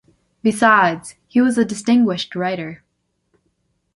Besides, he was a distinguished writer.